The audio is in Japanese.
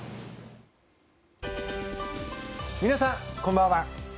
皆さん、こんばんは！